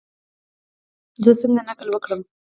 زه څنګه نقل وکړم؟